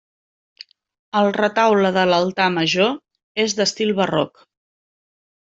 El retaule de l'altar major és d'estil barroc.